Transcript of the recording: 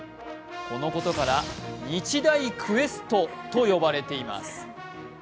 このことから日大クエストと呼ばれています。